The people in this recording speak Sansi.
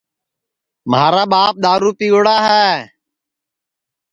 مھارا ٻاپ دؔارو پیوڑ ہے